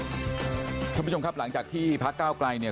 สวัสดีคุณผู้ชมครับหลังจากที่พรรคก้าวไกลเนี่ย